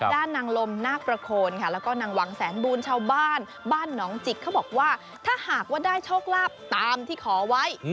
ด้านนางลมนาประโคนและวังแสนบูรณ์ชาวบ้านบ้านน้องจิกบอกว่าถ้าหากได้โชคลาบตามที่ขอไว้